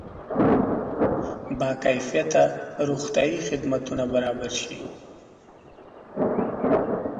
با کیفیته روغتیایي خدمتونه برابر شي.